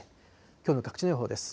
きょうの各地の予報です。